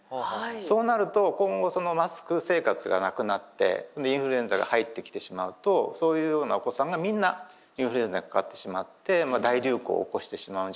そうなると今後そのマスク生活がなくなってでインフルエンザが入ってきてしまうとそういうようなお子さんがみんなインフルエンザにかかってしまって大流行を起こしてしまうんじゃないか。